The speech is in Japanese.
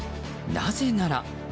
なぜなら。